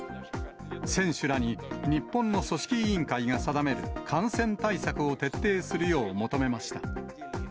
選手らに日本の組織委員会が定める感染対策を徹底するよう求めました。